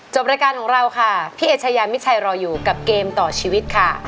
รายการของเราค่ะพี่เอชายามิชัยรออยู่กับเกมต่อชีวิตค่ะ